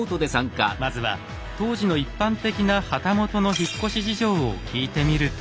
まずは当時の一般的な旗本の引っ越し事情を聞いてみると。